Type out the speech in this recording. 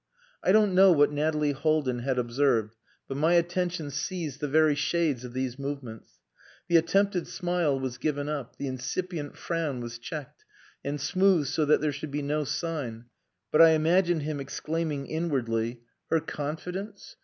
I don't know what Nathalie Haldin had observed, but my attention seized the very shades of these movements. The attempted smile was given up, the incipient frown was checked, and smoothed so that there should be no sign; but I imagined him exclaiming inwardly "Her confidence!